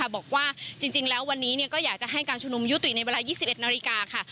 บอกว่าจริงแล้ววันนี้ก็อยากจะให้การชุมนุมยุติในเวลา๒๑นาฬิกาค่ะ